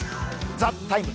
「ＴＨＥＴＩＭＥ，」